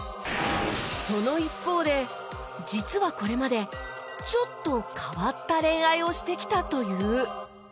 その一方で実はこれまでちょっと変わった恋愛をしてきたという